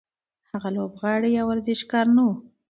هغه لوبغاړی یا ورزشکار نه و.